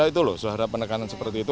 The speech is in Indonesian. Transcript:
ada itu loh seharga penekanan seperti itu